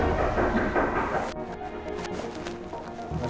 permisi pak al ada tamu untuk bapak